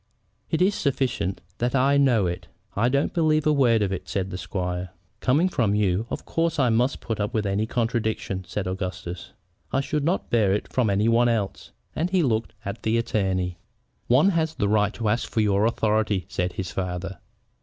"It is sufficient that I do know it." "I don't believe a word of it," said the squire. "Coming from you, of course I must put up with any contradiction," said Augustus. "I should not bear it from any one else," and he looked at the attorney. "One has a right to ask for your authority," said his father.